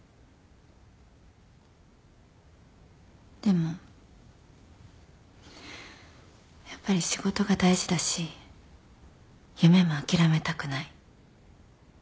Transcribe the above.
でもやっぱり仕事が大事だし夢も諦めたくない。